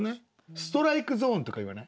「ストライクゾーン」とか言わない？